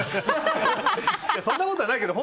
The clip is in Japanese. そんなことはないけど。